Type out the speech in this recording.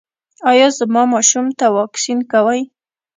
ایا زما ماشوم ته واکسین کوئ؟